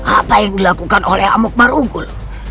apa yang dilakukan oleh amuk marugul